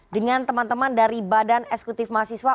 dengan teman teman dari badan eksekutif mahasiswa